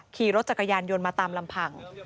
ขี่รถจักรยานยนต์มาตามลำพัง